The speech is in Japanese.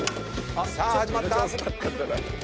さあ始まった。